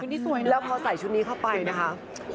ชุดนี้สวยนะครับแล้วพอใส่ชุดนี้เข้าไปนะครับ